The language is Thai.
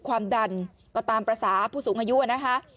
ความดันก็ตามภาษาผู้สูงอายุนะคะ